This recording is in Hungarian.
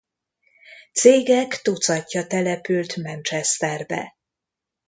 Cégek tucatja települt Manchesterbe.